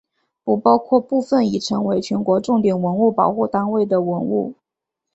不包括部分已成为全国重点文物保护单位的文物。